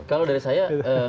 kalau dari saya